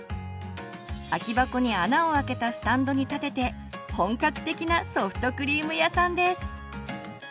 空き箱に穴をあけたスタンドに立てて本格的なソフトクリーム屋さんです！